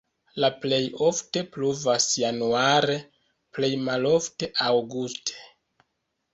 La plej ofte pluvas januare, plej malofte aŭguste.